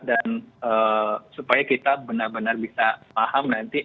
dan supaya kita benar benar bisa paham nanti